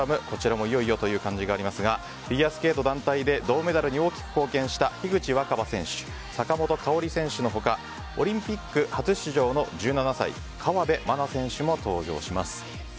こちらもいよいよという感じがありますがフィギュアスケート団体で銅メダルに大きく貢献した樋口新葉選手、坂本花織選手の他オリンピック初出場の１７歳河辺愛菜選手も登場します。